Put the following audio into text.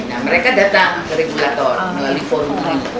nah mereka datang ke regulator melalui forum ini